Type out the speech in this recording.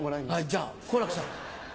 じゃあ好楽さん。